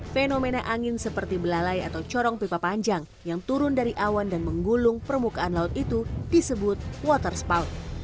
fenomena angin seperti belalai atau corong pipa panjang yang turun dari awan dan menggulung permukaan laut itu disebut water spout